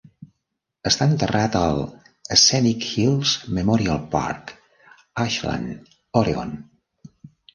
Està enterrat al Scenic Hills Memorial Park, Ashland, Oregon.